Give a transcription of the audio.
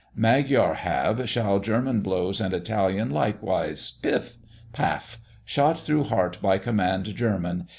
Magyar have shall German blows and Italian likewise. Piff! Paff! shot through heart by command German!